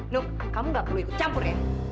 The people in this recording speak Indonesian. nuk kamu gak perlu ikut campurin